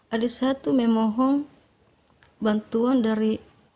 adik saya tuh memohon bantuan dari